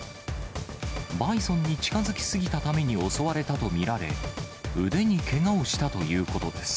バイソンに近づきすぎたために襲われたと見られ、腕にけがをしたということです。